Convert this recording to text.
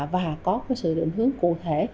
và có sự định hướng cụ thể